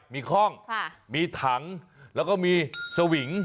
มีคล่องมีถังแล้วก็มีสวิง